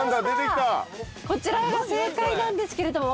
こちらが正解なんですけれども。